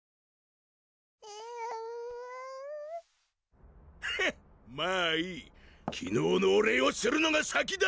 ⁉えるぅフンまぁいい昨日のお礼をするのが先だ！